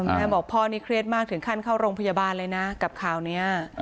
แม่บอกพ่อนี่เครียดมากถึงขั้นเข้าโรงพยาบาลเลยนะกับข่าวนี้